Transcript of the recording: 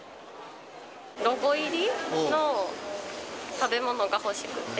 ロゴ入りの食べ物が欲しくて。